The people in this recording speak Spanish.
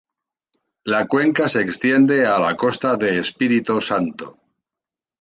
La cuenca se extiende a la costa de Espírito Santo.